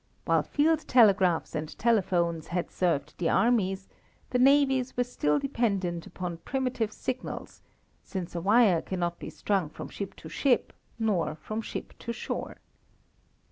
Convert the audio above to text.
While field telegraphs and telephones had served the armies, the navies were still dependent upon primitive signals, since a wire cannot be strung from ship to ship nor from ship to shore.